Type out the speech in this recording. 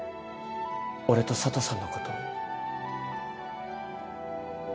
俺と佐都さんのこと。